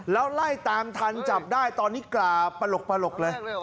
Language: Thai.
แล้วไล่ตามทันจับได้ตอนนี้กราบปลกเลย